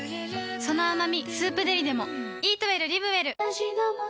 その甘み「スープデリ」でも